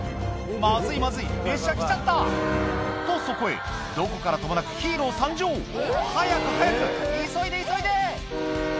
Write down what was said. まずいまずい列車来ちゃったとそこへどこからともなくヒーロー参上早く早く急いで急いで！